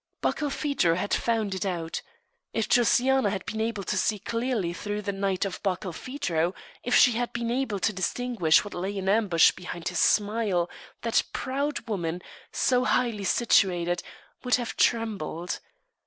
Barkilphedro had found it out. If Josiana had been able to see clearly through the night of Barkilphedro, if she had been able to distinguish what lay in ambush behind his smile, that proud woman, so highly situated, would have trembled.